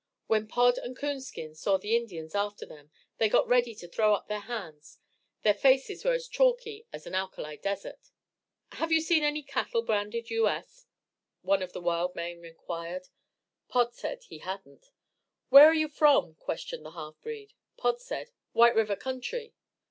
When Pod and Coonskin saw the Indians after them, they got ready to throw up their hands. Their faces were as chalky as an alkali desert. "Have you seen any cattle branded U. S.?" one of the wild men inquired. Pod said he hadn't. "Where you from?" questioned the half breed. Pod said: "White River country."